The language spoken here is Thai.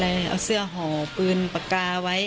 เอาเสื้อห่อปืนปากกาไว้